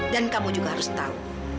dan kamu juga harus tahu